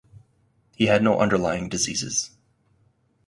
He had no underlying diseases.